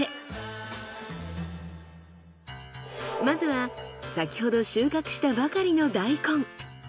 まずは先ほど収穫したばかりの大根。